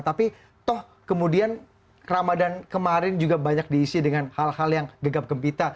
tapi toh kemudian ramadan kemarin juga banyak diisi dengan hal hal yang gegap gempita